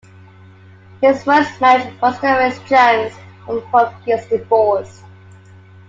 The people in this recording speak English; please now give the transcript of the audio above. His first marriage was to Iris Jones, from whom he is divorced.